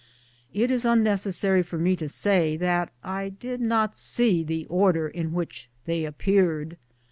It is un necessary for me to say that I did not see the order in which they appeared.